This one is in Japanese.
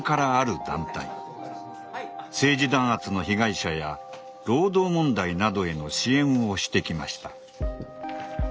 政治弾圧の被害者や労働問題などへの支援をしてきました。